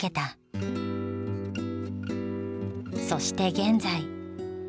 そして現在。